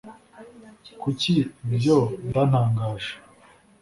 kuki ibyo bitantangaje